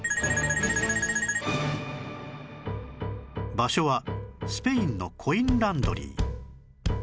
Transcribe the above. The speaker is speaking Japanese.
場所はスペインのコインランドリー